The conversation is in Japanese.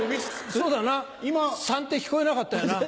そうだな「さん」って聞こえなかったよな？